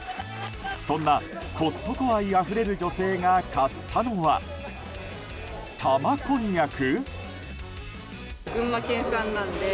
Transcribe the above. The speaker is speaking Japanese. そんなコストコ愛あふれる女性が買ったのは玉こんにゃく？